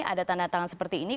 ada tanda tangan seperti ini